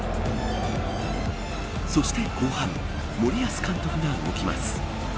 そして後半森保監督が動きます。